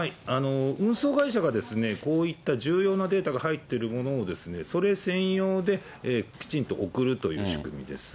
運送会社が、こういった重要なデータが入っているものを、それ専用できちんと送るという仕組みです。